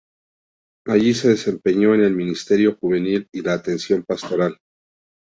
Allí se desempeñó en el ministerio juvenil y la atención pastoral.